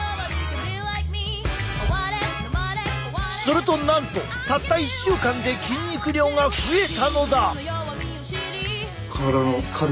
するとなんとたった１週間で筋肉量が増えたのだ！